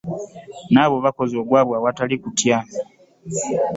Nabo baakoze ogwabwe awatali kutya